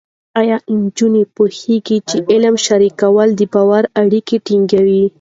ایا نجونې پوهېږي چې علم شریکول د باور اړیکې ټینګوي؟